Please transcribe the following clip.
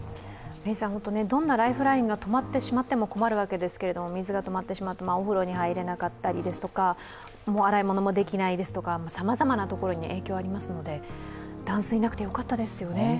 どんなライフラインが止まってしまっても困るわけですけれども、水が止まってしまうとお風呂に入れなくなったりとか洗い物もできないですとかさまざまなところに影響がありますので断水なくてよかったですよね。